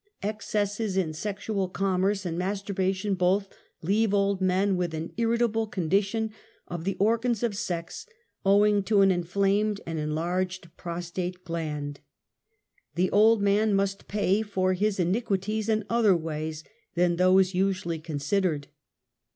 Excesses in sexual commerce and masturbation both leave old men with an irritable condition of the or gans of sex, owing to an inflamed and enlarged i3ros tate gland. The old man must pay for his iniqui ties in other w^ays than those usually considered.